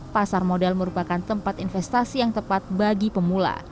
pasar modal merupakan tempat investasi yang tepat bagi pemula